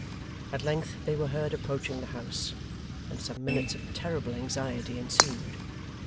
At length they were heard approaching the house, and some minutes of terrible anxiety ensued.